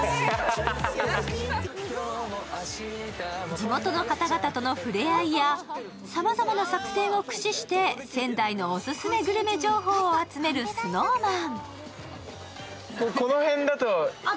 地方の方々との触れ合いやさまざまな作戦を駆使して仙台のオススメグルメ情報を集めるＳｎｏｗＭａｎ。